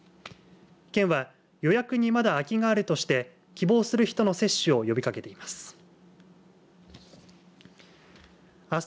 県は予約にまだ空きがあるとして希望する人の接種を呼びかけています。